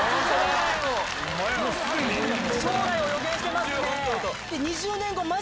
将来を予言してますね！